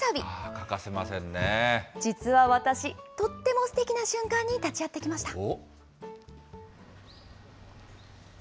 実は私、とっても素敵な瞬間に立ち会ってきました。